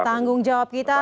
tanggung jawab kita